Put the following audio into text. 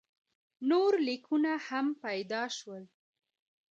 نور لیکونه هم پیدا شول.